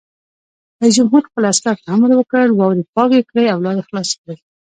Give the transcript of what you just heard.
رئیس جمهور خپلو عسکرو ته امر وکړ؛ واورې پاکې کړئ او لارې خلاصې کړئ!